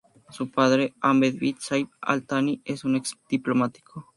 Su padre, Ahmed bin Saif Al Thani, es un ex diplomático.